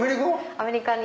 アメリカに。